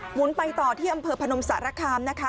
หุนไปต่อที่อำเภอพนมสารคามนะคะ